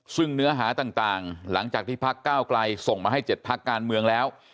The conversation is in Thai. ซึ่งเนื้อหาต่างหลังจากที่พักก้าวไกลส่งมาให้๗พักการเมืองแล้ว